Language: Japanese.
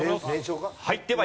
はい。